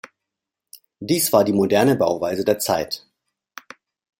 Dies war die moderne Bauweise der Zeit.